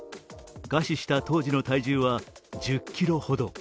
餓死した当時の体重は１０ｋｇほど。